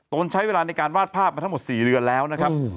ใช้เวลาในการวาดภาพมาทั้งหมด๔เดือนแล้วนะครับ